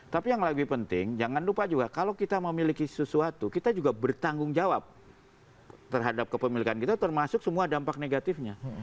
tapi yang lebih penting jangan lupa juga kalau kita memiliki sesuatu kita juga bertanggung jawab terhadap kepemilikan kita termasuk semua dampak negatifnya